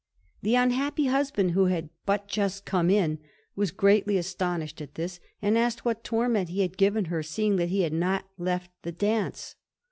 The unhappy husband, who had but just come in, was greatly astonished at this, and asked what torment he had given her, seeing that he had not left the dance.